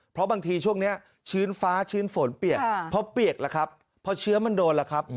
เพราะบางทีช่วงนี้ชื้นฟ้าชื้นฝนเปียกเพราะเปียกแล้วครับเพราะเชื้อมันโดนแล้วครับ